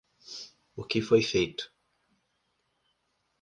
O que foi feito